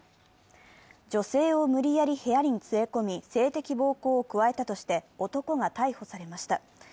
女性を無理やり部屋に連れ込み性的暴行を加えたとして男が逮捕されました。